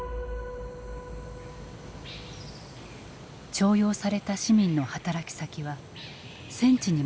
徴用された市民の働き先は戦地にも広がっていた。